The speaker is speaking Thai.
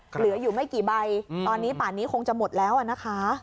เหลืออยู่ไม่กี่ใบตอนนี้ป่านนี้คงจะหมดแล้วนะคะ